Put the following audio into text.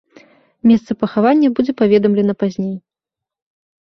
Месца пахавання будзе паведамлена пазней.